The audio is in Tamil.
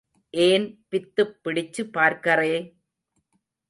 ஏன் பித்துப் பிடிச்சு பார்க்கறே?